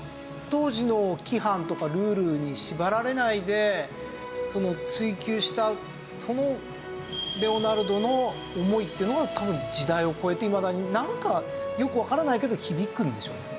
当時の規範とかルールに縛られないで追求したそのレオナルドの思いっていうのが多分時代を超えていまだになんかよくわからないけど響くんでしょうね。